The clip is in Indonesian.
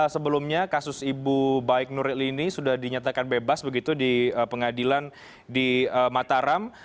sebelumnya kasus ibu baik nuril ini sudah dinyatakan bebas begitu di pengadilan di mataram